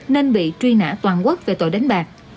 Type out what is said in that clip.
nên bị truy nã toàn quốc về tội đánh bạc